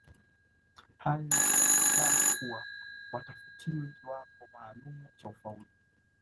Hali iliyoleta mvutano kuwa watafutiwe kiwango maalumu cha ufaulu